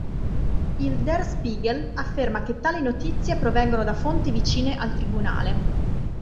Il "Der Spiegel" afferma che tali notizie provengono da fonti vicine al tribunale.